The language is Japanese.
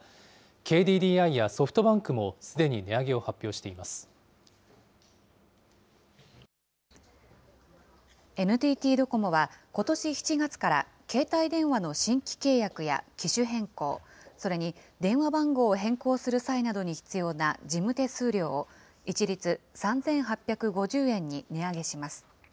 ＫＤＤＩやソフトバンクもすでにＮＴＴドコモは、ことし７月から携帯電話の新規契約や機種変更、それに電話番号を変更する際に必要な事務手数料を、一律３８５０円に値上げします。